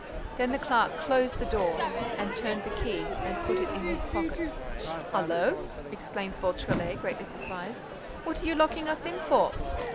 Then the clerk closed the door, turned the key and put it in his pocket. "Hullo!" exclaimed Beautrelet, greatly surprised. "What are you locking us in for?"